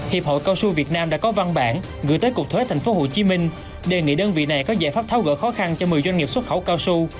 hiệp hội cao su việt nam đã có văn bản gửi tới cục thuế thành phố hồ chí minh đề nghị đơn vị này có giải pháp tháo gỡ khó khăn cho một mươi doanh nghiệp xuất khẩu cao su